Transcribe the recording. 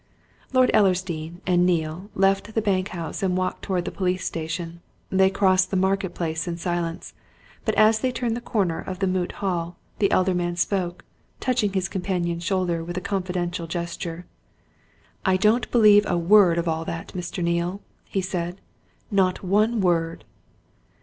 Lord Ellersdeane and Neale left the bank house and walked towards the police station. They crossed the Market Place in silence, but as they turned the corner of the Moot Hall, the elder man spoke, touching his companion's shoulder with a confidential gesture. "I don't believe a word of all that, Mr. Neale!" he said. "Not one word!"